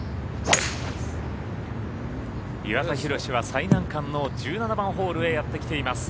岩田寛は最難関の１７番ホールへやってきています。